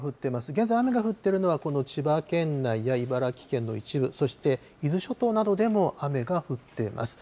現在、雨の降ってるのは、この千葉県内や茨城県の一部、そして伊豆諸島などでも雨が降ってます。